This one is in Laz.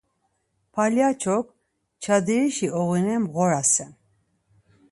Palyaç̌ok çadirişi oğune mğorasen.